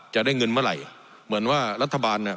จะได้เงินเมื่อไหร่เหมือนว่ารัฐบาลเนี่ย